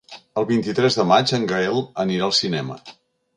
El vint-i-tres de maig en Gaël anirà al cinema.